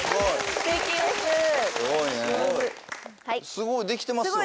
すごいできてますよね。